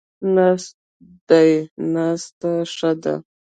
ناست دی، ناسته ښه ده